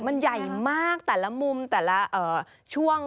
มันใหญ่มากแต่ละมุมแต่ละช่วง